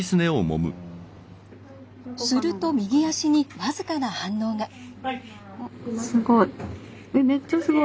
すると、右足に僅かな反応が。